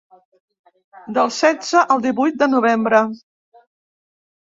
Del setze al divuit de novembre.